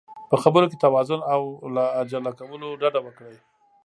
په خبرو کې توازن او له عجله کولو ډډه وکړئ.